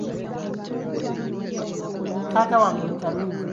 Taata wange mutamiivu.